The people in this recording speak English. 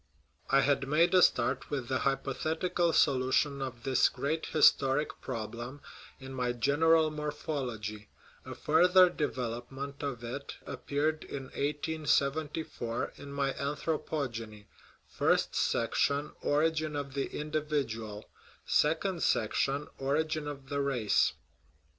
I had made a start with the hypothetical solution of this great historic problem in my General Morphology ; a further development of it appeared in 1874 m m y Anthropogeny (first section, Origin of the Individual ; second section, Origin of the Race).